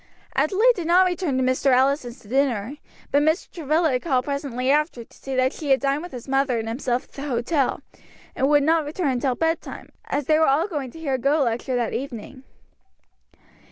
Adelaide did not return to Mr. Allison's to dinner, but Mr. Travilla called presently after, to say that she had dined with his mother and himself at the hotel, and would not return until bed time, as they were all going to hear Gough lecture that evening.